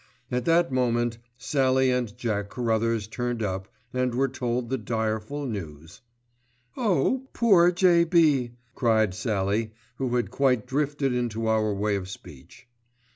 At that moment Sallie and Jack Carruthers turned up and were told the direful news. "Oh! poor J.B.," cried Sallie, who had quite drifted into our way of speech.